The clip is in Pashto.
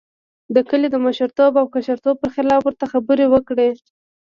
د کلي د مشرتوب او کشرتوب پر خلاف ورته خبرې وکړې.